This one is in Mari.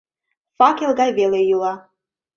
Факел гай веле йӱла.